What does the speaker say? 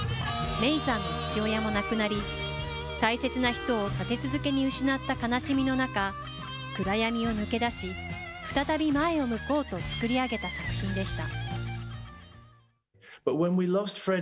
メイさんの父親も亡くなり、大切な人を立て続けに失った悲しみの中、暗闇を抜け出し、再び前を向こうと作り上げた作品でした。